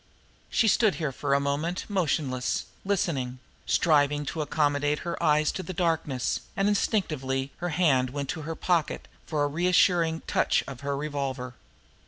She stood here for a moment motionless; listening, striving to accommodate her eyes to the darkness, and instinctively her hand went to her pocket for the reassuring touch of her revolver.